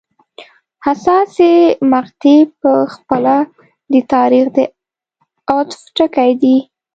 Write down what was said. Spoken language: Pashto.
حساسې مقطعې په خپله د تاریخ د عطف ټکي دي.